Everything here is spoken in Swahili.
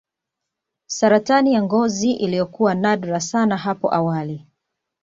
Saratani ya ngozi iliyokuwa nadra sana hapo awali